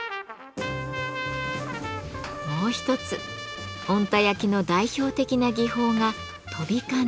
もう一つ小鹿田焼の代表的な技法が「飛び鉋」。